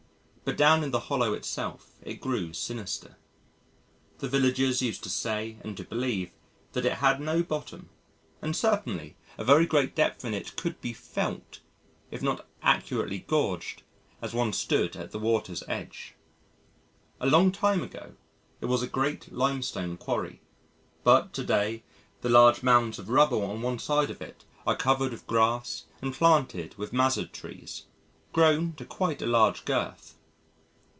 But down in the hollow itself it grew sinister. The villagers used to say and to believe that it had no bottom and certainly a very great depth in it could be felt if not accurately gauged as one stood at the water's edge. A long time ago, it was a great limestone quarry, but to day the large mounds of rubble on one side of it are covered with grass and planted with mazzard trees, grown to quite a large girth.